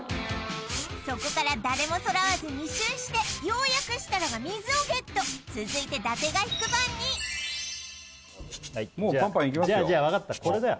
そこから誰も揃わず２周してようやく設楽が水をゲット続いて伊達が引く番にもうパンパンいきますよ